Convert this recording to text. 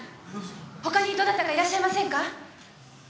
他にどなたかいらっしゃいませんか？